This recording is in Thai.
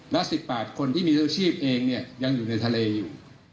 และ๑๘คนที่มีอาชีพเองเนี่ยยังอยู่ในทะเลอยู่